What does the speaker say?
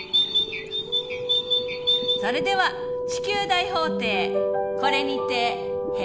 それでは地球大法廷これにて閉廷！